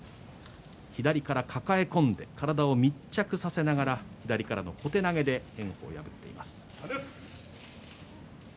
左から抱え込んで体を密着させながら左からの小手投げで大翔鵬が勝ちました。